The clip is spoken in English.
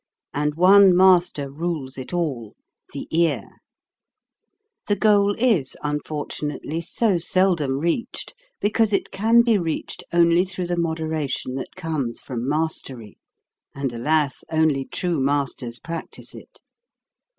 And one master rules it all, the ear ! The goal is, unfortunately, so seldom reached because it can be reached only through the moderation that comes from mastery; and, alas ! only true masters practise it.